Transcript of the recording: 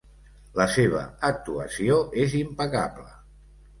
La seva actuació és impecable.